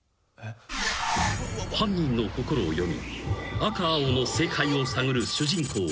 ［犯人の心を読み赤青の正解を探る主人公映児］